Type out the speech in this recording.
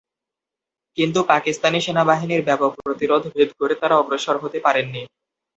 কিন্তু পাকিস্তানি সেনাবাহিনীর ব্যাপক প্রতিরোধ ভেদ করে তারা অগ্রসর হতে পারেননি।